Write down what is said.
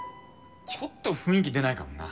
ちょっと雰囲気出ないかもな。